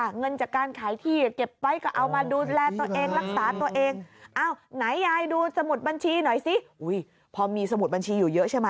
ตั้งจากที่ไหนเนี่ยนะคะ